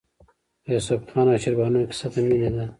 د یوسف خان او شیربانو کیسه د مینې ده.